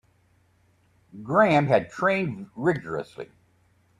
Graham had trained rigourously.